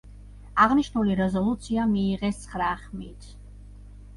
აღნიშნული რეზოლუცია მიიღეს ცხრა ხმით.